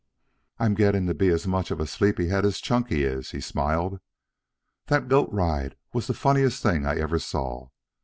"I am getting to be as much of a sleepy head as Chunky is," he smiled. "That goat ride was the funniest thing I ever saw.